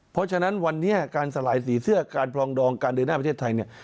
เพราะฉะนั้นวันนี้การสลายสีเสื้อการปลองดองการเดินหน้าประเทศไทยเนี่ย